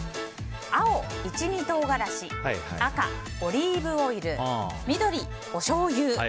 青、一味唐辛子赤、オリーブオイル緑、おしょうゆ。